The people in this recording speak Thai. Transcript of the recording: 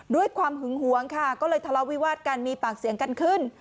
ด้วยความหึงหวงค่ะก็เลยทะเลาวิวาสกันมีปากเสียงกันขึ้น